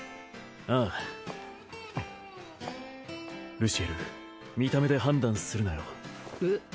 ああルシエル見た目で判断するなよえっ？